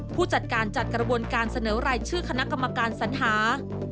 ผู้จัดการจัดกระบวนการเสนอรายชื่อคณะกรรมการสัญหา